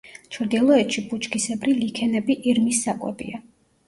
ჩრდილოეთში ბუჩქისებრი ლიქენები ირმის საკვებია.